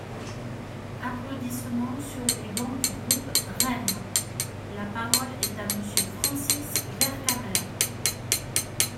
(Applaudissements sur les bancs du groupe REM.) La parole est à Monsieur Francis Vercamer.